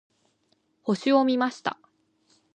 星を見ました。